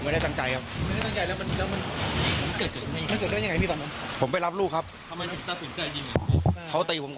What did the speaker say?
แล้วช่อพี่ยิงเคยไว้คนที่ยิง